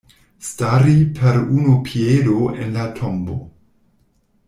Stari per unu piedo en la tombo.